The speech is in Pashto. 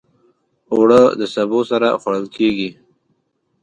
اوړه د سبو سره خوړل کېږي